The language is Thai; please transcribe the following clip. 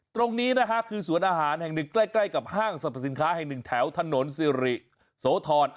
ตรงนี้นะฮะคือสวนอาหารแห่งหนึ่งใกล้กับห้างสรรพสินค้าแห่งหนึ่งแถวถนนสิริโสธร